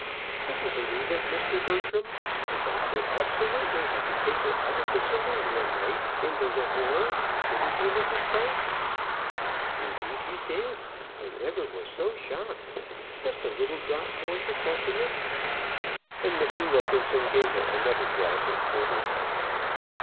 Would you believe it, Mr. Bertram, the doctor absolutely had to take her out of the saloon one night in the 'Lahore'? Didn't he, Mrs. Price?" "Indeed he did. I never was so shocked. Just a little drop more to freshen it." And Mr. Wilkinson gave her another glass of porter.